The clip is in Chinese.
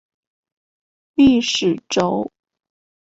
历史轴。